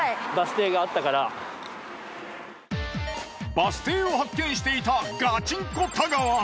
バス停を発見していたガチンコ太川！